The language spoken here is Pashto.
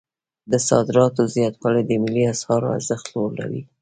د صادراتو زیاتوالی د ملي اسعارو ارزښت لوړوي.